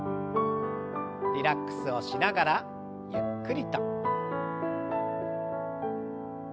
リラックスをしながらゆっくりと。